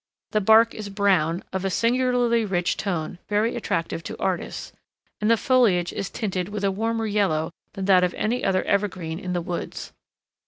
The bark is brown, of a singularly rich tone very attractive to artists, and the foliage is tinted with a warmer yellow than that of any other evergreen in the woods.